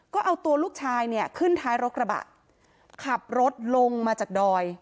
ก็เอาตัวลูกชายเนี่ยขึ้นท้ายรถกระบะขับรถลงมาจากดอย